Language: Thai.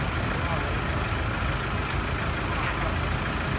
พร้อมต่ำยาว